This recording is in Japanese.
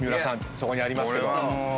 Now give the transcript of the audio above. そこにありますけど。